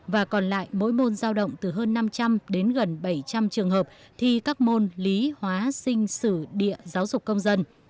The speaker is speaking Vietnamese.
và còn lại mỗi môn giao động từ hơn năm trăm linh đến gần bảy trăm linh trường hợp thi các môn lý hóa sinh sử địa giáo dục công dân